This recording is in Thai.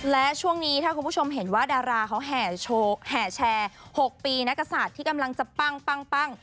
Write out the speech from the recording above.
และช่วงนี้ถ้าคุณผู้ชมเห็นว่าดาราเขาแห่แชร์๖ปีนักศัตริย์ที่กำลังจะปั้ง